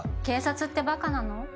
警察ってバカなの？